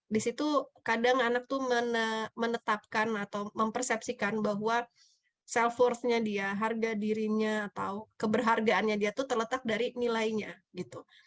di situ kadang anak tuh menetapkan atau mempersepsikan bahwa self force nya dia harga dirinya atau keberhargaannya dia tuh terletak dari nilainya gitu